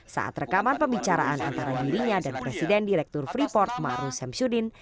saat rekaman pembicaraan antara dirinya dan presiden direktur freeport maru semsudin